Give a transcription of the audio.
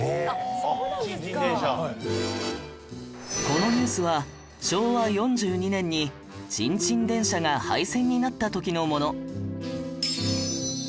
このニュースは昭和４２年にチンチン電車が廃線になった時のもの